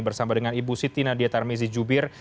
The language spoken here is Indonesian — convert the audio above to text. bersama dengan ibu siti nadia tarmizi jubir